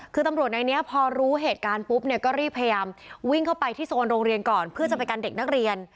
คือตำรวจในนี้พอรู้เหตุการณ์ปุ๊บเนี่ยก็รีบพยายามวิ่งเข้าไปที่โซนโรงเรียนก่อนเพื่อจะไปกันเด็กนักเรียน